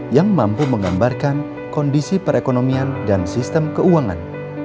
yang mampu menggambarkan kondisi perekonomian dan sistem keuangan